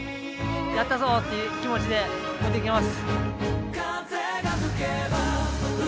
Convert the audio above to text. やったぞ！という気持ちで持っていきます。